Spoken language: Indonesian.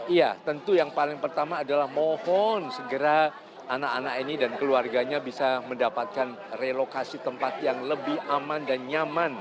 iya tentu yang paling pertama adalah mohon segera anak anak ini dan keluarganya bisa mendapatkan relokasi tempat yang lebih aman dan nyaman